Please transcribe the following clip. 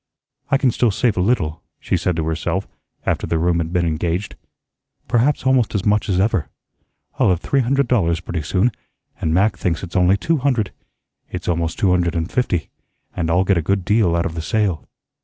"I can still save a little," she said to herself, after the room had been engaged; "perhaps almost as much as ever. I'll have three hundred dollars pretty soon, and Mac thinks it's only two hundred. It's almost two hundred and fifty; and I'll get a good deal out of the sale."